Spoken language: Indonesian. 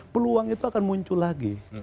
peluang itu akan muncul lagi